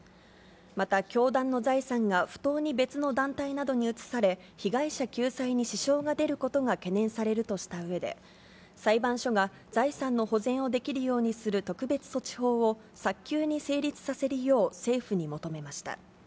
また、教団の財産が不当に別の団体などに移され、被害者救済に支障が出ることが懸念されるとしたうえで、裁判所が財産の保全をできるようにする特別措置法を早急に成立させるよう、政府に求めました。